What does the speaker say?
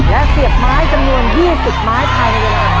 และเสียบไม้จำนวน๒๐ไม้แทย๓นาที